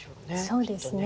そうですね。